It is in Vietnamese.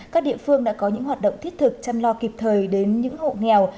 các địa phương đã có những hoạt động thiết thực chăm lo kịp thời đến những hộ nghèo